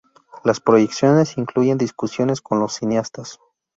Las proyecciones incluyen discusiones con los cineastas.